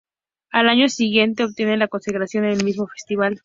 Al año siguiente obtienen la Consagración en el mismo festival.